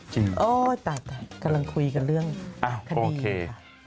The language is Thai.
จริงเอ้อตายกำลังคุยกันเรื่องคณีย์ค่ะอ่าโอเค